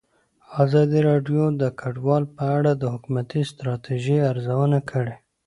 ازادي راډیو د کډوال په اړه د حکومتي ستراتیژۍ ارزونه کړې.